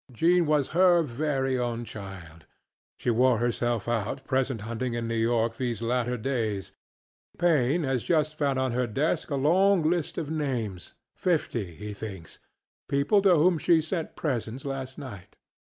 Jean was her very own childŌĆöshe wore herself out present hunting in New York these latter days. Paine has just found on her desk a long list of namesŌĆöfifty, he thinksŌĆöpeople to whom she sent presents last night.